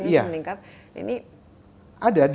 tadi kita tiga puluh meningkat